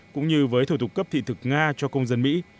cũng như với thủ tục cấp thị thực nga cho công dân mỹ